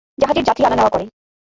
জাহাজের যাত্রী আনা নেয়া করে।